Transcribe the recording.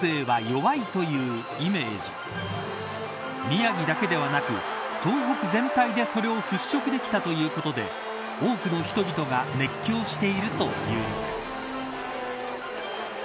宮城だけではなく東北全体でそれを払拭できたということで多くの人々が熱狂しているというのです。